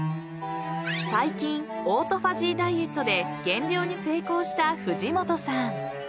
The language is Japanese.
［最近オートファジーダイエットで減量に成功した藤本さん］